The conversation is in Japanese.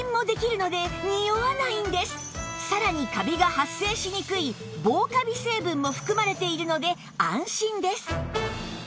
さらにカビが発生しにくい防カビ成分も含まれているので安心です